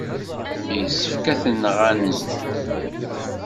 Yessefk ad tent-nɣanzu.